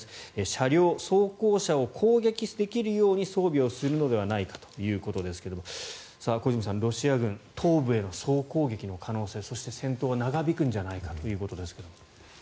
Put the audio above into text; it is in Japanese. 車両、走行車を攻撃できるように装備をするのではないかということですが小泉さん、ロシア軍東部への総攻撃の可能性そして戦闘が長引くんじゃないかということですが。